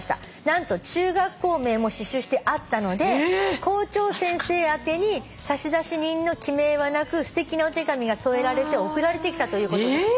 「何と中学校名も刺しゅうしてあったので校長先生宛てに差出人の記名はなくすてきなお手紙が添えられて送られてきたということです」